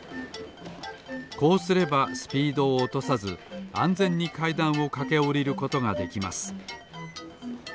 こうすればスピードをおとさずあんぜんにかいだんをかけおりることができます。